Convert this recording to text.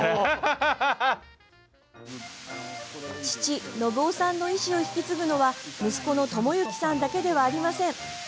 父・信男さんの遺志を引き継ぐのは息子の朋行さんだけではありません。